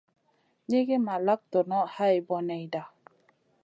Nigi ma lak donoʼ hay boneyda.